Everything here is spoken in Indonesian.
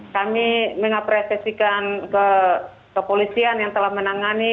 kami mengapresiasikan kepolisian yang telah menangani